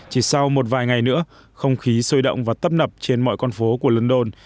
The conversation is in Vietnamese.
chỉ sau một vài ngày nữa không khí sôi động và tấp nập trên mọi con phố của london